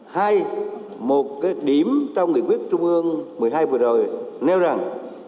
hai một cái điểm trong nghị quyết trung ương một mươi hai vừa rồi nêu rằng